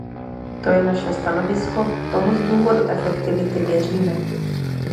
To je naše stanovisko; tomu z důvodu efektivity věříme.